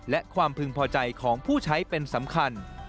และความพึงพอใจของผู้ใช้เป็นสำคัญ